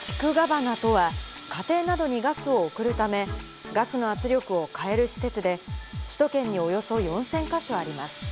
地区ガバナとは、家庭などにガスを送るため、ガスの圧力を変える施設で、首都圏におよそ４０００か所あります。